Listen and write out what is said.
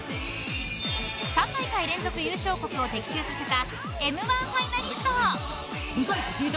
３大会連続優勝国を的中させた「Ｍ‐１」ファイナリスト。